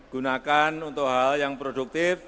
gunakan untuk hal yang produktif